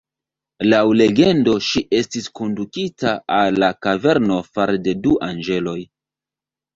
Laŭ legendo ŝi estis kondukita al la kaverno fare de du anĝeloj.